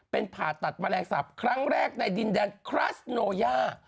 เป็นผ่าตัดแมลงสาปครั้งแรกในดินแดนครัสโนยา